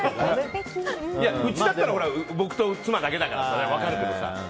うちだったら僕と妻だけだから分かるけどさ。